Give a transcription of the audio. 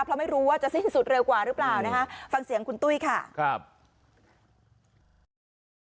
เพราะไม่รู้ว่าจะสิ้นสุดเร็วกว่าหรือเปล่านะคะฟังเสียงคุณตุ้ยค่ะครับ